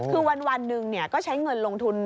คือวันหนึ่งก็ใช้เงินลงทุน